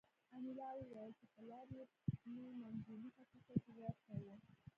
انیلا وویل چې پلار مې منځني ختیځ ته تجارت کاوه